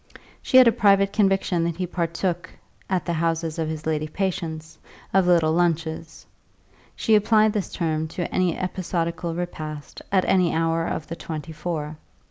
She had a private conviction that he partook, at the houses of his lady patients, of little lunches; she applied this term to any episodical repast, at any hour of the twenty four.